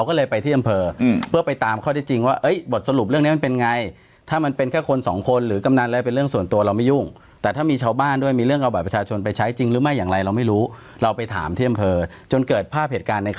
อ่าเดี๋ยวกูแยกซองให้เลยจะได้มาทะเลาะกันอีก